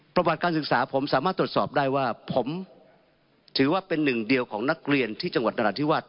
ประวัติการศึกษาผมสามารถตรวจสอบได้ว่าผมถือว่าเป็นหนึ่งเดียวของนักเรียนที่จังหวัดนราธิวาส